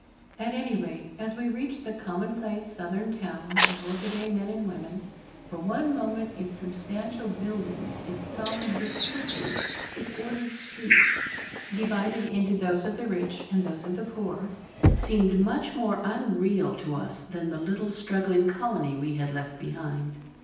At any rate, as we reached the common place southern town of workaday men and women, for one moment its substantial buildings, its solid brick churches, its ordered streets, divided into those of the rich and those of the poor, seemed much more unreal to us than the little struggling colony we had left behind.